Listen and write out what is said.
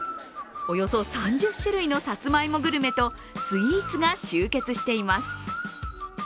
およそ３０種類のさつまいもグルメとスイーツが集結しています。